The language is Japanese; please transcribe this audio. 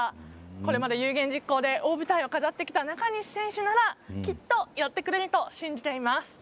これまで有言実行で大舞台を飾ってきた中西選手ならきっと、やってくれると信じています。